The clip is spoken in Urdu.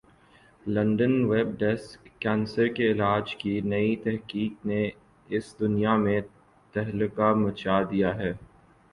لندن ویب ڈیسک کینسر کے علاج کی نئی تحقیق نے اس دنیا میں تہلکہ مچا دیا ہے